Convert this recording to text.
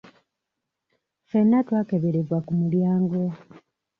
Ffena twakeberebwa ku mulyango.